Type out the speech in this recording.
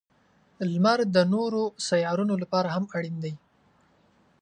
• لمر د نورو سیارونو لپاره هم اړین دی.